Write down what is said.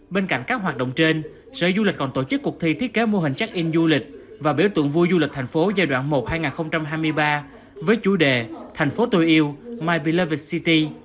bên cạnh các hoạt động trên sở du lịch còn tổ chức cuộc thi thiết kế mô hình check in du lịch và biểu tượng vui du lịch thành phố giai đoạn một hai nghìn hai mươi ba với chủ đề thành phố tôi yêu my beloved city